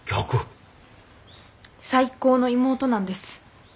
最高の妹なんです。